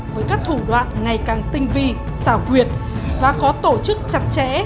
với các thủ đoạn ngày càng tinh vi xảo quyệt và có tổ chức chặt chẽ